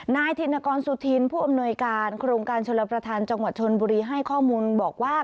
ธินกรสุธินผู้อำนวยการโครงการชลประธานจังหวัดชนบุรีให้ข้อมูลบอกว่า